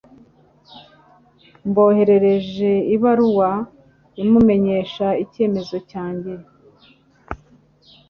Mboherereje ibaruwa imumenyesha icyemezo cyanjye